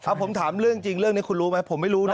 ผมถามเรื่องจริงเรื่องนี้คุณรู้ไหมผมไม่รู้นะ